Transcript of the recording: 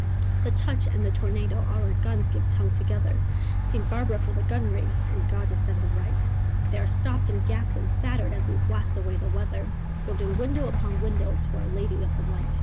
The touch and the tornado; all our guns give tongue together St. Barbara for the gunnery and God defend the right, They are stopped and gapped and battered as we blast away the weather. Building window upon window to our lady of the light.